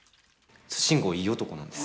慎吾いい男なんです。